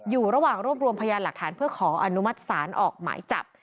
อยู่ระหว่างรวบรวมพยานหลักฐานเพื่อขออนุมัติศาลออกหมายจับ